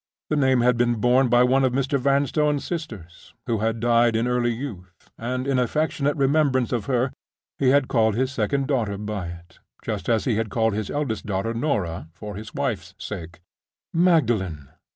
The name had been borne by one of Mr. Vanstone's sisters, who had died in early youth; and, in affectionate remembrance of her, he had called his second daughter by it—just as he had called his eldest daughter Norah, for his wife's sake. Magdalen!